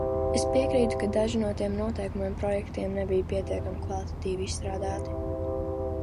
Es piekrītu, ka daži no tiem noteikumu projektiem nebija pietiekami kvalitatīvi izstrādāti.